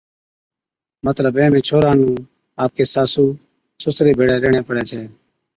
مطلب ايمَھين ڇوھَرا نُون آپڪي ساسُو سُسري ڀيڙي ريھڻي پَڙي ڇَي